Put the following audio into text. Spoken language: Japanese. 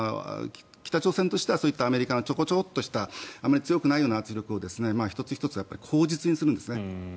北朝鮮としてはアメリカのちょこちょこっとしたあまり強くないような圧力を１つ１つ口実にするんですね。